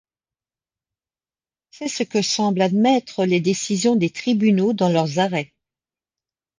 C'est ce que semble admettre les décisions des tribunaux dans leurs arrêts.